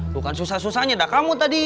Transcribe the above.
bukan susah susahnya dah kamu tadi